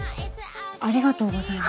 ありがとうございます。